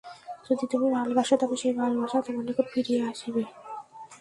যদি তুমি ভালবাসো, তবে সেই ভালবাসাও তোমার নিকট ফিরিয়া আসিবে।